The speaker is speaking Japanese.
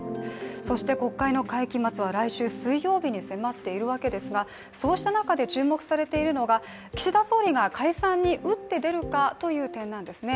そして国会の会期末は来週の水曜日に迫っているわけですがそうした中で注目されているのが岸田総理が解散に打って出るのかという点なんですね。